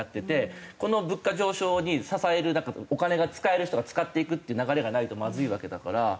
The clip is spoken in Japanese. この物価上昇に支えるお金が使える人が使っていくっていう流れがないとまずいわけだから。